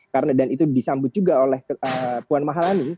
karena dan itu disambut juga oleh puan maharani